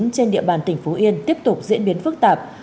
trên địa bàn tỉnh phú yên tiếp tục diễn biến phức tạp